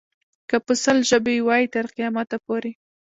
که په سل ژبو یې وایې تر قیامته پورې.